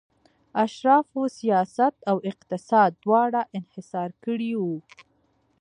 اشرافو سیاست او اقتصاد دواړه انحصار کړي وو.